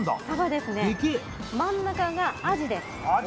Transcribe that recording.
真ん中がアジです。